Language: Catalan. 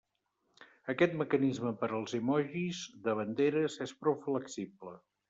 Aquest mecanisme per als emojis de banderes és prou flexible.